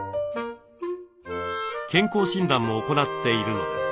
健康診断も行っているのです。